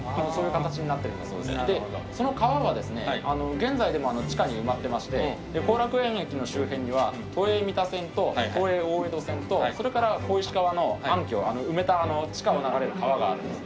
現在でも地下に埋まってまして後楽園駅の周辺には都営三田線と都営大江戸線とそれから小石川の暗きょを埋めた地下を流れる川があるんです。